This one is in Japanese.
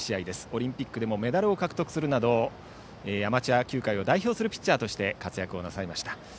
オリンピックでもメダルを獲得するなどアマチュア球界を代表するピッチャーとして活躍をされました。